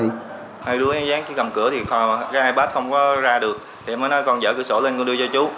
hai đứa em dán cái cầm cửa thì cái ipad không có ra được thì em mới nói con dỡ cửa sổ lên con đưa cho chú